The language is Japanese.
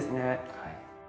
はい。